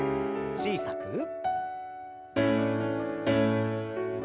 小さく。